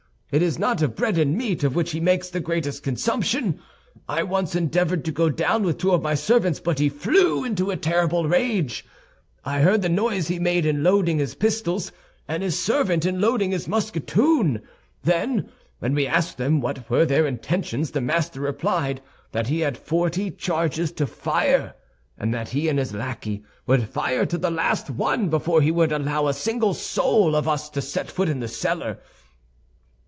It is not of bread and meat of which he makes the greatest consumption. I once endeavored to go down with two of my servants; but he flew into terrible rage. I heard the noise he made in loading his pistols, and his servant in loading his musketoon. Then, when we asked them what were their intentions, the master replied that he had forty charges to fire, and that he and his lackey would fire to the last one before he would allow a single soul of us to set foot in the cellar.